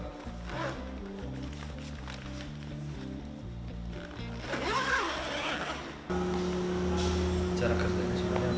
untuk menurut saya ini adalah cara yang paling mudah untuk melakukan recovery pump